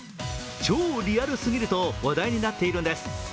超リアルすぎると話題になっているんです。